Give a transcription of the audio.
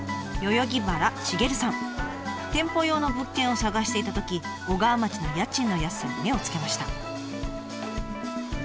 店舗用の物件を探していたとき小川町の家賃の安さに目をつけました。